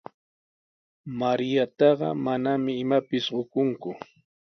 Mariataqa manami imapis qukunku.